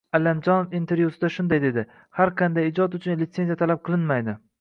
Allamjonov intervyusida shunday dedi: "Har qanday ijod uchun litsenziya talab qilinmaydi